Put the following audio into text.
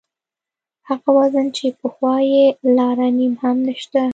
هغه وزن چې پخوا یې لاره نیم هم نشته.